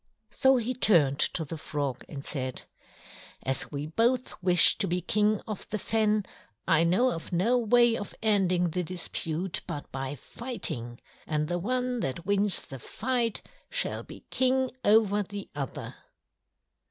So he turned to the Frog and said: "As we both wish to be King of the Fen I know of no way of ending the dispute but by fighting, and the one that wins the fight shall be King over the other."